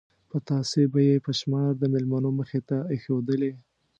پتاسې به یې په شمار د مېلمنو مخې ته ایښودلې.